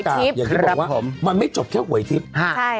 อย่างที่บอกว่ามันไม่จบแค่หวยทิพย์